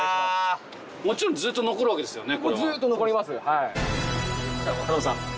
もちろんずっと残るわけですよね？